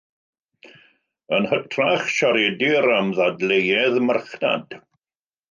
Yn hytrach, siaredir am ddadleuedd marchnad.